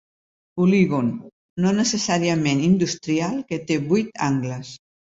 Polígon, no necessàriament industrial, que té vuit angles.